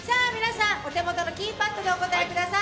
お手元のキーパッドでお答えください。